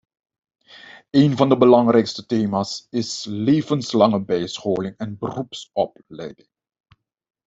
Een van de belangrijkste thema's is levenslange bijscholing en beroepsopleiding.